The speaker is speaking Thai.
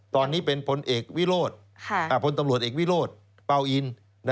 ตอนนี้เป็นพลเอกวิโรธพลตำรวจเอกวิโรธเปล่าอิน